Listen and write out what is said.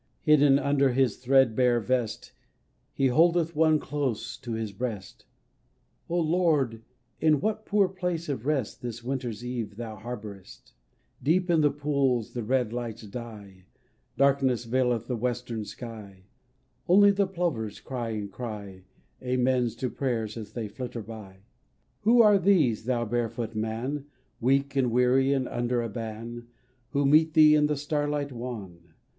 Hidden under his threadbare vest He holdeth One close to his breast ;" O Lord, in what poor place of rest This winter's eve thou harbourest !" Deep in the pools the red lights die, Darkness veileth the western sky ; Only the plovers cry and cry Amens to prayer as they flitter by. 12 THE IRISH FRANCISCAN 13 Who are these, thou barefoot man, Weak and weary and under a ban, Who meet thee in the starlight wan?